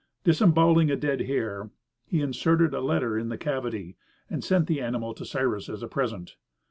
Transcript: Disembowelling a dead hare, he inserted a letter in the cavity, and sent the animal to Cyrus as a present.